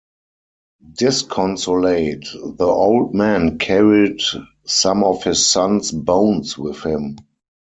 Disconsolate, the old man carried some of his son's bones with him.